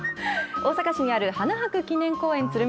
大阪市にある花博記念公園鶴見